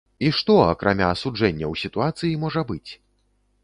І што, акрамя асуджэнняў сітуацыі, можа быць?